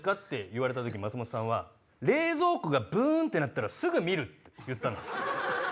言われた時松本さんは冷蔵庫がブンって鳴ったらすぐ見るって言ったの。